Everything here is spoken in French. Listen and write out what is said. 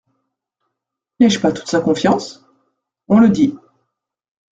N'ai-je pas toute sa confiance ? On le dit.